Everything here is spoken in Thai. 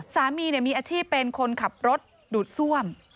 สามีมีอาชีพเป็นคนขับรถดูดซ่วม